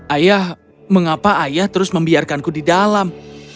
ayah mengapa ayah terus membiarkanku di dalam